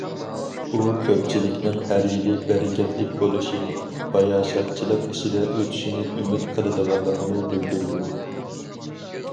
ئۇ كۆپچىلىكنىڭ ھەر يىلى بەرىكەتلىك بولۇشىنى، باياشاتچىلىق ئىچىدە ئۆتۈشىنى ئۈمىد قىلىدىغانلىقى بىلدۈردى.